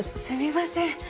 すみません。